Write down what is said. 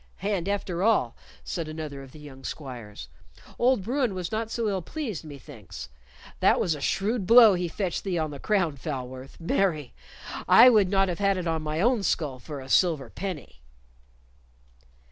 "And, after all," said another of the young squires, "old Bruin was not so ill pleased, methinks. That was a shrewd blow he fetched thee on the crown, Falworth. Marry, I would not have had it on my own skull for a silver penny."